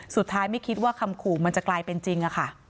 สุดท้ายไม่คิดว่าคำขู่มันจะกลายเป็นจริง